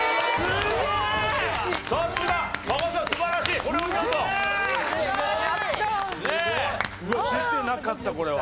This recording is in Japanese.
すごい。出てなかったこれは。